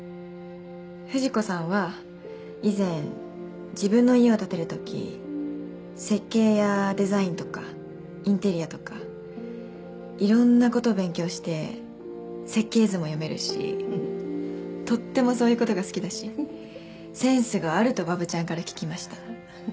「富士子さんは以前自分の家を建てるとき設計やデザインとかインテリアとか色んなこと勉強して設計図も読めるしとってもそういうことが好きだしセンスがあるとわぶちゃんから聞きました」